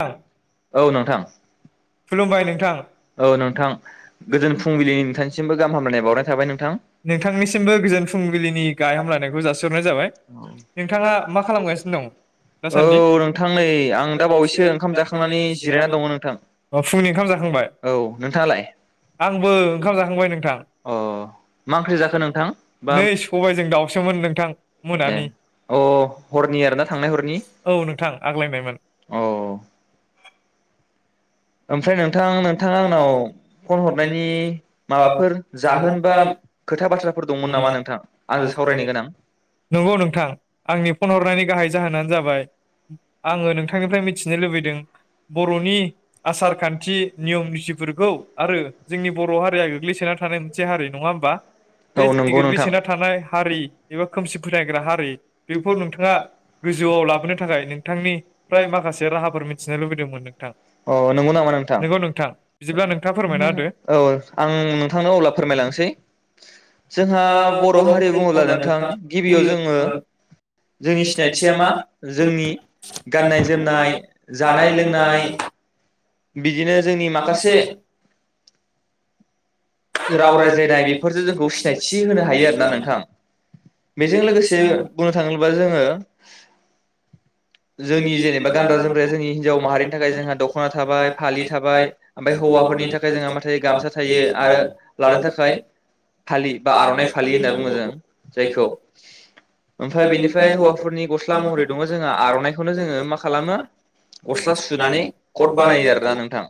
थां औ नोंथां। खुलुमबाय नोंथां औ नोंथां गोजोन फुंबिलिनि नोंथांनिसिमबो गाहाम हामलायनाय बावनाय थाबाय नोंथां नोंथांनिसिमबो गोजोन फुंबिलिनि गाहाम लानायखौ जासिहरनाय जाबाय नोंथाङा मा खालामगासिनो दं औ दासान्दि? नोंथां नै आं दा बावैसो ओंखाम जाखांनानै जिरायना दङ नोंथां फुंनि ओंखाम जाखांबाय औ नोंथाङालाय आंबो ओंखाम जाखांबाय नों अ मा ओंख्रि जाखो नोंथां बा नै ए सबायजों दाउसोमोन नोंथां मोनानि अ हरनि आरोना थांनाय हरनि औ नोंथां आग्लायनायमोन अ। ओमफ्राय नोंथां नोंथाङा आंनाव फन हरनायनि माबाफोर जाहोन बा खोथा बाथ्राफोर दंमोन नामा नोंथां आंजों सावरायनो गोनां नंगौ नोंथां आंनि फन हरनायनि गाहाय जाहोनानो जाबाय आङो नोंथांनिफ्राय मिथिनो लुबैदों बर'नि आसार खान्थि नियम निथिफोरखौ आरो जोंनि बर' हारिया गोग्लैसोना थानाय मोनसे हारि नङा होमबा औ बे नंगौ नोंथां गोग्लैसोना थानाय हारि एबा खोमसि फोथायग्रा हारि बेखौ नोंथाङा गोजौआव लाबोनो थाखाय नोंथांनिफ्राय्र माखासे राहाफोर मिथिनो लुबैदोंमोन नोंथां। अ नंगौ नामा नोंथां नंगौ बिदिब्ला नोंथाङा फोरमायना औ आं नोंथांनोाव अब्ला फोरमायलांसै जोंहा बर' हारि बुङोब्ला नोंथां गिबियाव जोङो जोंनि सिनायथिया मा जोंनि गाननाय जोमनाय जानाय लोंनाय बिदिनो जोंनि माखासे राव रायज्लायनाय बेफोरजों जोंखौ सिनायथि होनो हायो आरोना नोंथां बेजों लोगोसे बुंनो थाङोबोब्ला जोङो जोंनि जेनेबा गानग्रा जोमग्राया जोंनि हिनजाव हारिनि थाखाय जोंहा दख'ना। थाबाय फालि थाबाय हौवाफोरनि थाखाय जोंहा मा गामसा थायो आरो लानो थाखाय फालि बा आर'नाय फालि होनना बुङो जों जायखौ ओमफ्राय बेनिफ्राय हौवाफोरनि गस्ला महरै हौवाफोरनि दङ जों आर'नाइखौ बेखौनो जोङो मा खालामो गस्ला सुनानै सोंनानै हर कट बानायो बारायो आरोना नोंथां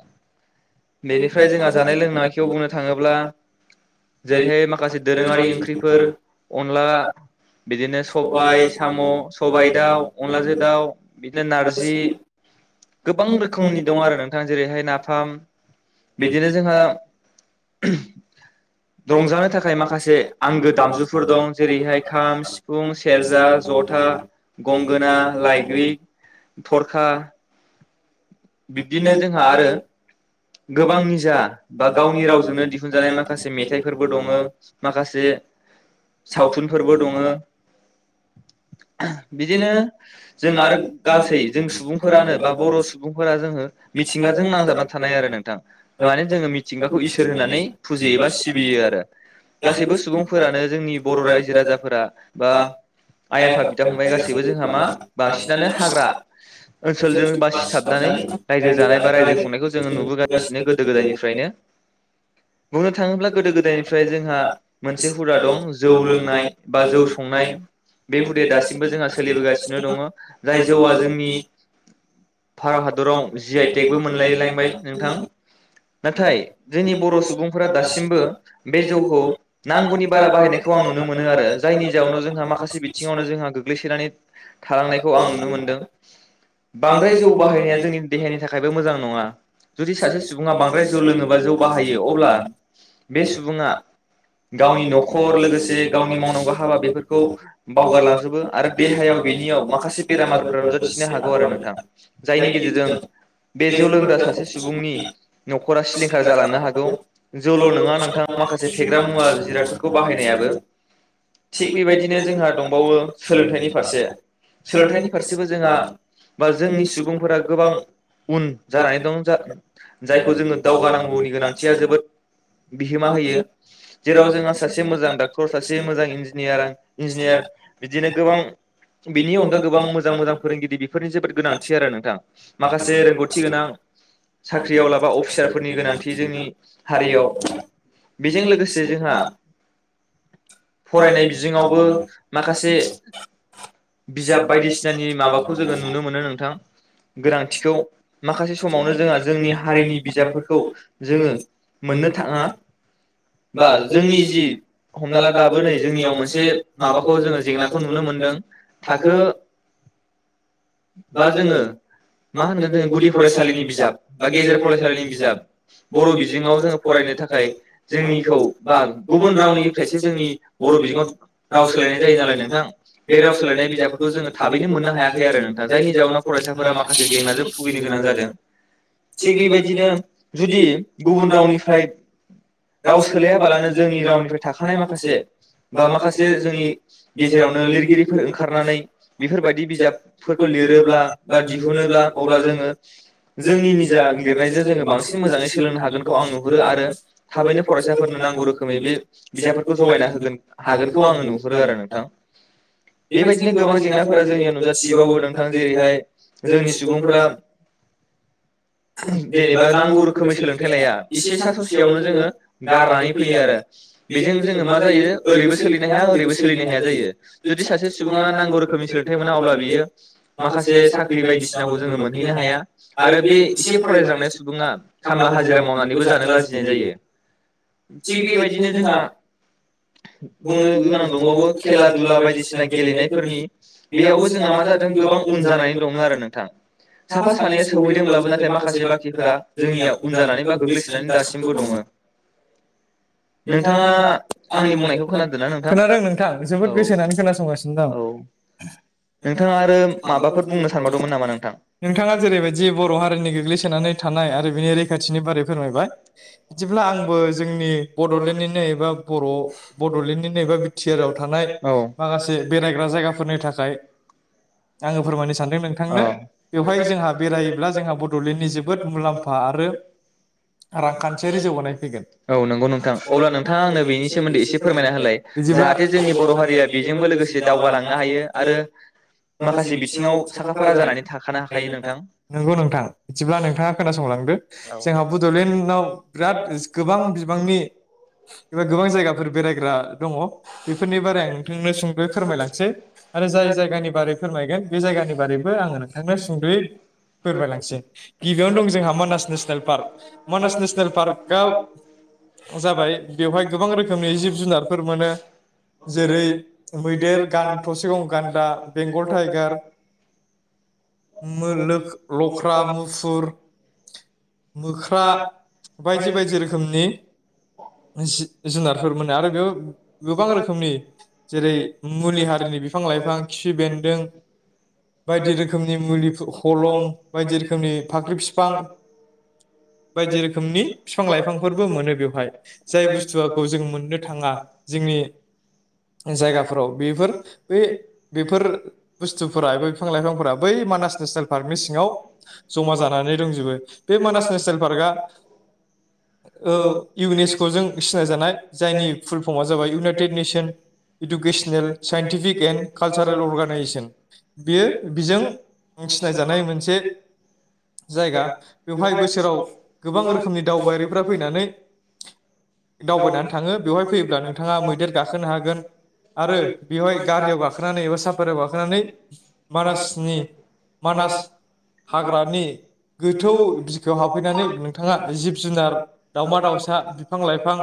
बेनिफ्राय जोंहा जानाय लोंनाय आखियाव बुंनो थाङोब्ला जेरै जेरैहाय माखासे दोरोङारि ओंख्रिफोर अनला बिदिनो सबाय साम' सबायाइ दाउ अनलाजों दाउ। बिदिनो नारजि गोबां रोखोम रोखोमनि बिदिनो दं आरो नोंथां जेरैहाय नाफाम बिदिनो जोंहा जोंना [unintelligible] रंजानो थाखाय माखासे आंगो दामजुफोर दं जेरैहाय खाम, सिफुं, सेरजा, जथा, गंगोना, लायग्रि, थरखा बिदिनो बिब्दिनो जोंहा आरो गोबां निजा बा गावनि रावजोंनो दिहुनजानाय माखासे मेथाइफोरबो दङ माखासे सावथुनफोरबो दङ ओह बिदिनो जों आरो गासै जों सुबुंफोरानो बा बर' सुबुं फोर जोङो सिख्लाखौ मिथिंगाजों नांजाबना थानाय नाजानानै आरो नों माने जोङो मिथिंगाखौ इसोर होननानै फुजियो बा सिबियो आरो गासैबो सुबुंफोरानो जोंनि बर' रायजो राजाफोरा बा आइ आफा बिदा फंबाय गासैबो जोंहा मा बांसिनानो हाग्रा ओनसोलजों बांसिन हाबनानै रायजो जानाय बा रायजो खुंनायखौ जोङो नुबो नो गोदो गोदायनिफ्रायनो। बुंनो थाङोब्ला गोदो गोदायनिफ्राय जोंहा मोनसे हुदा दं जौ लोंनाय बा जौ संनाय बे हुदाया दासिमबो जोंहा सोलिबोगासिनो दङ जाय जौआ जोंनि भारत हादराव जि आइ टेकबो मोनलाय लांबाय नों नाथाय जोंनि बर' सुबुंफोरा दासिमबो बे जौखौ नांगौनि बारा बाहायनायखौ आं नुनो मोनो आरो जायनि जाहावनो जोंहा माखासे बिथिङावनो जोंहा गोग्लैसोनानै थालांनायखौ आं नुनो मोनदों बांद्राय जौ बायनाया जोंनि देहानि थाखायबो मोजां नङा जु जुदि सासे सुबुङा बांद्राय जौ लोङोबा जौ बाहायो अब्ला बे सुबुङा गावनि न'खर लोगोसे गावनि मावनांगौ हाबा बेफोरखौ बावगारलांजोबो आरो देहायाव बेनियाव माखासे बेरामारफोरा नुजाथिनो हागौ आरो नोंथां। जायनि गेजेरजों सोलोंथाइनि बे जौ लोंग्रा सासे सुबुं न'खरा सिलिंखार जालांनो हागौ जौल' नङा नोंथां माखासे फेग्रा मुवा जिरादफोरखौ बाहायनायाबो थिग बेबायदिनो जोंहा दंबावो सोलोंथाइनि फारसे सोलोंथाइनि फारसेबो जोंहा बा जोंनि जायखौ सुबुं सुबुंफोरा गोबां उन जानानै दं जा जायखौ जोङो दावगानांगौनि गोनांथिया जोबोद बिहोमा जायो होयो जेराव जोंहा सासे मोजां डक्टर सासे मोजां इन्जिनियार इन्जिनियार बिदिनो गोबां बिनि अनगा गोबां मोजां मोजां फोरोंगिरि बेफोरनि जोबोद गोनांथि आरो नों माखासे रोंगौथि गोनां साख्रियाव रोंगौथिनि लाबा अफिसारफोरनि गोनांथि जोंनि हारियाव बेजों लोगोसे जोंहा फरायनाय बिजोङावबो माखासे बिजाब बायदिसिनानि माबाखौ जोङो नुनो मोनो नोंथां गोनांथिखौ माखासे समावनो जोंहा हारिनि बिजाबफोरखौ जोङो मोननो थाङा बा जोंनि जि हमना ला दाबोनै जोंनियाव मोनसे माबाखौ जोङो जेंनाखौ नुनो मोनदों थाखो बा जोङो बा गुदि फरायसालिनि बिजाब बा गेजेर फरायसालिनि बिजाब बर' बिजोङाव जोङो फरायनो थाखाय जोंनिखौ बा गुबुन रावनिफ्रायसो जोंनि बर' बिजोङाव राव सोलायनाय जायो नालाय नोंथां बे राव सोलायनाय बिजाबफोरखौ जोङो थाबैनो मोननो हायाखै आरो नोंथां जायनि जाउनाव फरायसाफोरा माखासे जेंनाजों भुगिनो गोनां जादों थिग बेबायदिनो जुदि गुबुन रावनिफ्राय राव सोलायाबालानो जोंनि रावनिफ्राय थाखानाय सानसे माखासे बा माखासे जोंनि गेजेरावनो लिरगिरिफोर ओंखारनानै बेफोरबायदि बिजाबफोरखौ लिरोब्ला बा दिहुनोब्ला अब्ला जोङो जोंनि निजा लिरनायजों जोङो बांसिन मोजाङै सोलोंनो हागोनखौ आं नुहुरो आरो थाबैनो फरायसाफोरनो नांगौ रोखोमै बे बिजाबफोरखौ जगायना होगोन हागोनखौ आङो नुहरो आरो नोंथां बेबायदिनो गोबां जेंनाफोरा जोंनिया नुजाथिबावो नोंथां जेरैहाय जोंनि सुबुंफोरा जेनेबा नांगौ रोखोमै सोलोंथाइ लाया एसे सा ससेयावनो जोङो गारनानै फैयो आरो बेजों जोङो मा जायो ओरैबो सोलिनो हाया ओरैबो सोलिनो हाया जायो जुदि सासे सुबुङा नांगौ रोखोमनि सोलोंथाइ मोना अब्ला बियो माखासे सा साख्रि बायदिसिनाखौ जोङो मोनहैनो हाया आरो बे एसे फरायज्रांनाय सुबुङा खामला हाजिरा मावनानैबो जानो लाजिनाय जायो। थिग बेबायदिनो जोंहा बुंनो गोनां दंबावो खेला दुला बायदिसिना गेलेनायफोरनि बेयावबो जोंहा मा जादों गोबां उन जानानै दङ आरो नोंथां साफा सानै जोंनिया उन जानानै बा गोग्लैसोनानै दासिमबो दङ नोंथाङा आंनि बुंनायखौ खोनादोंना नोंथां औ औ नोंथाङा आरो माबाफोर बुंनो [unintelligible] सानबावदोंमोन नामा नोंथां? दि बर' हारिनि गोग्लैसोनानै थानाय आरो बिनि रैखाथिनि बारै फोर जेब्ला आंबो जोंनि बडलेन्दनिनो एबा बर' बडलेन्दनिनो एबा बि टि आर आव थानाय औ माखासे बेरायग्रा जायगाफोरनि थाखाय आङो फोरमायनो सान्दों नोंथांनो बेवहाय जोंहा जायोब्ला औ जोंहा बड'लेण्डनि जोबोद मुलाम्फा आरो रांखान्थियारि जौगानाय फैगोन औ नंगौ नोंथां अब्ला नोंथाङा आंनो बेनि सोमोन्दै एसे फोरमायना होलाय बिदिब्ला जाहाथे जोंनि बर' हारिया बेजोंबो लोगोसे दावगालांनो हायो आरो माखासे बिथिङाव साखा फारा जानानै थाखानो हाखायो नोंथां नंगौ नोंथां बिदिब्ला नोंथाङा खोनासंलदो औ जोंहा बड नाव बिराद गोबां गोबां बिबांनि एबा गोबां जायगाफोर बेरायग्रा दङ बेफोरनि बारै आं नोंथांनो सुंद'यै फोरमायलांसै आरो जाय जायगानि बारै फोरमायगोन बे जायगानि बारैबो आङो नोंथांनो सुंद'यै फोरमायलांसै गिबियावनो दं जोंहा Manas national park Manas national पार्कआ जाबाय बेवहाय गोबां रोखोमनि जिब जुनारफोर मोनो जेरै मैदेर गान थसे गं गान्दा बेंगल टाइगार [unintelligible] लख्रा मुफुर मोख्रा बायदि बायदि रोखोमनि जि जुनारफोर मोनो आरो बेयाव गोबां रोखोमनि जेरै मुलि हारिनि बिफां लाइफां खिफि बेन्दों बायदि रोखोमनि मुलिफो हलं बायदि रोखोमनि फाख्रि फिफां बायदि रोखोमनि बिफां लाइफांफोरबो मोनो बेवहाय जाय बुस्थुखौ जों मोननो थाङा जोंनि जायगाफोराव बेफोर बे बेफोर बुस्थुफोरा बे बिफां लाइफांफोरा बै मानास नेसनेल। पार्कनि सिङाव जमा जानानै दंजोबो बे मानास नेसनेल। पार्कआ ओ इउनिचकजों सिनाय जानाय जायनि फुल फर्म जाबाय United Nations Educational Scientific and culture अगजेसन बेयो बेजों। सिनाय जानाय मोनसे जायगा बेवहाय बोसोराव। औ गोबां रोखोमनि दावबायारिफोरा फैनानै दावबायनानै थाङो बेवहाय फैयोब्ला नोंथाङा मैदेर गाखोनो हागोन आरो बेवहाय गारियाव गाखोनानै एबा साफारियाव गाखोनानै मानासनि। मानास हाग्रानि गोथौ बिगोमा। फैनानै नोंथाङा जिब जुनार दावमा दाउसा बिफां लाइफां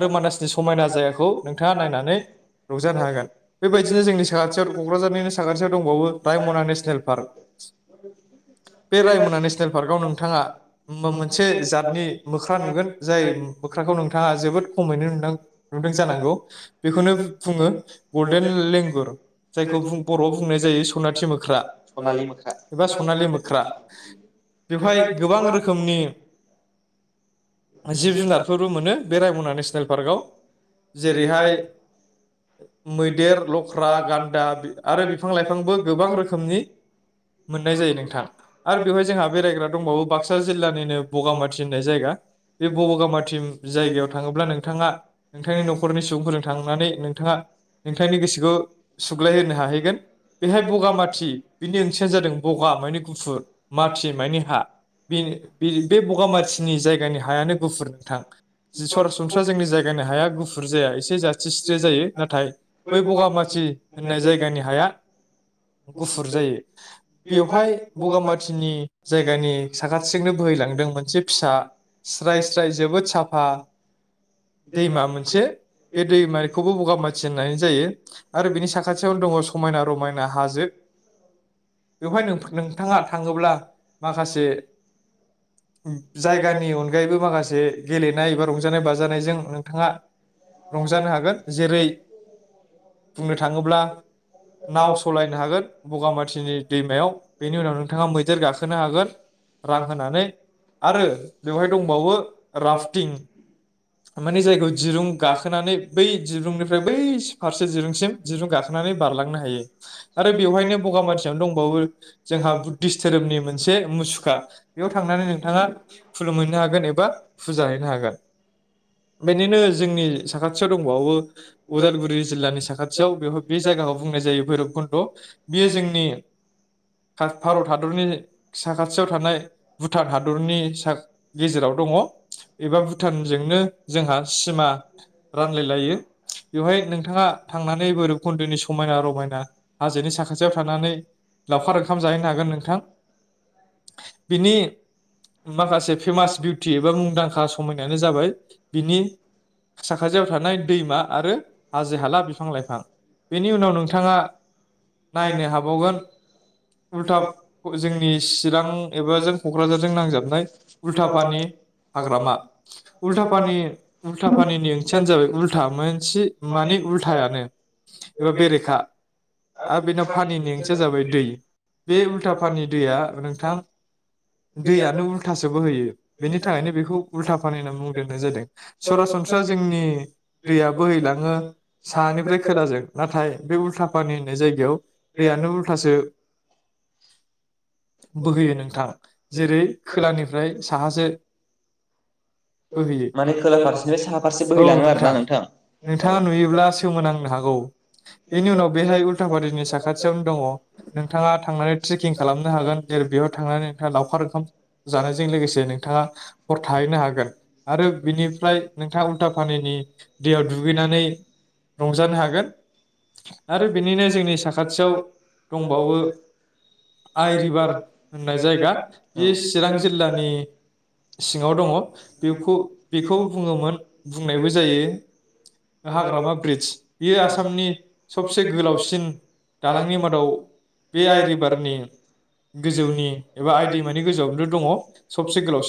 आरो मानासनि समायना जायाखौ नोंथाङा नायनानै रंजानो हागोन बेबायदिनो जोंनि साखाथियाव क'क्राझारनिनो साखाथियाव दंबावो रायमना नेसनेल पार्क। [unintelligible] मो मोनसे जातनि मोख्रा नुगोन जाय मोख्राखौ नोंथाङा जोबोद खमैनो नुां नुदों जानांगौ बेखौनो बुङो गल्डेन लेंगुर जायखौ बर'आव बुंनाय जायो सनाथि मोख्रा। सनालि मोख्रा एबा सनालि मोख्रा बेवहाय गोबां रोखोम। ख जिब जुनारफोरबो मोनो बे रायमना नेसनेल पार्कआव जेरैहाय मैदेर लख्रा गान्दा आरो बिफां लाइफांबो गोबां रोखोमनि। मोननाय जायो नोंथां आरो बेवहाय जोंहा बेरायग्रा दंबावो बाक्सा। जिल्लानिनो बगामाथि होननाय जायगा बे बगामाथि जायगायाव थाङोब्ला नोंथाङा नोंथांनि न'खरनि सुबुंफोरजों थांनानै नोंथाङा नोंथांनि गोसोखौ सुग्लायहोनो हाहैगोन बेहाय बगामाथि बिनि ओं-ओं-। जादों बगा मानि गुफुर माथि मानि हा। बि बे बगामाथिनि जायगानि हायानो गुफुर नोंथां सरासनस्रा जोंनि जायगानि हाया गुफुर जाया एसे जाथिस्रे जायो नाथाय बै बगामाथि होननाय जायगानि हाया गुफुर जायो। बेवहाय बगामाथिनि जायगानि साखाथि। सिंनो बोहैलांदों मोनसे फिसा स्राय स्राय जोबोद साफा दैमा मोनसे बे दैमखौबो बगाामाथि होननानै जायो आरो बिनि साखाथियावनो दङ समायना रमायना हाजो। बेवहाय नोंथाङा थाङोब्ला माखासे। जायगानि अनगायैबो माखासे गेलेनाय एबा रंजानाय बाजानायजों नोंथाङा रंजानो हागोन जेरै बुंनो थाङोब्ला नाव सलायनो हागोन बगामा। सिनि दैमायाव बेनि उनाव नोंथाङा मैदेर गाखोनो हागोन रां होनानै। आरो बेवहाय दंबावो राफटिं माने जायखौ दिरुं गाखोनानै बै दिरुंनिफ्राय बै फारसे दिरुंसिम दिरुं गाखोनानै बारलांनो हायो आरो बेवहायनो बगामाथि। नो दंबावो जोंहा बुद्धिस धोरोमनि मोनसे मुसुखा बेयाव थांनानै नों। बिथाङा खुलुम मोनहनो हागोन एबा फुजा हैैनो हागोन बेनिनो जोंनि साखाथियाव दंबावो उदालगुरि जिल्लानि साखाथियाव बेवहाय बे जायगाखौ बुंनाय जायो भैरब कुन्न्द' बियो जोंनि। भारत हादरनि साखाथियाव थानाय भुटान हादरनि स गेजेराव दङ एबा भुटानजोंनो जोंहा सिमा रानलायलायो बेवहाय नोंथाङा थांनानै भैरबखुन्दोनि समायना रमायना हाजोनि साखाथियाव थानानै। लावखार ओंखाम जाहैनो हागोन नोंथां बिनि माखासे फेमास बिउटि एबा मुंदांखा समायनायानो जाबाय बिनि साखाथियाव थानाय दैमा आरो हाजो हाला बिफां लाइफां बेनि उनाव नोंथाङा नायनो हाबावगोन। उल्था जोंनि चिरां एबा जों क'क्राझारजों नांजाबनाय उल्थाफानि हाग्रामा उल्थाफानि उल्था पानिनि ओंथियानो जाबाय उल्था मोनसे मानिउल्थानो एबा बेरेखा आरो बेनाव पानिनि ओं। जाबाय बे उल्था फानि दैया नोंथां दैयनो उल्थासो बोहैयो बेनि थाखायनो बेखौ उल्था फानि होनना मुं दोननाय जादों सरासनस्रा जोंनि दैया बोहैलाङो सानिफ्राय खोलााजों नाथाय बे उल्था फानि होननाय जायगायाव दैयानो उल्ा खलथासो बोहोयो नोंथां जेरै खोलानिफ्राय साहासो बोहैयो माने खोला फारसेनिफ्राय साहा फारसे औ बोहैलाङो आरोना नोंथां नोंथाङा नुयोब्ला सोमोनांनो हागौ बेनि उनाव बेहाय उल्थाफारिनि साखाथियावनो दङ। नोंथाङा थांनानै ट्रेकिं खालामनो हागोन जेरै बेयाव थांनानै नोंथाङा लावखार ओंखाम जानायजों लोगोसे नोंथाङा हर थाहैनो हागोन। आरो बिनिफ्राय नोंथाङा उल्था पानिनि दैयाव दुगैनानै रंजानो हागोन आरो बिनिनो जोंनि साखाथियाव दंबावो आइ रिभार होननाय जायगा बे चिरां औ जिल्लानि सिङाव दङ। बेखौ बेखौ बुङोमोन बुंनायबो जायो हाग्रामा ब्रिडज बेयो आसामनि सबसे गोलावसिन दालांनि माद बे आइ रिभारनि गोजौनि एबा आइ दैमानि गोजौआवनोथ' दङ सबसे गोलावसिन।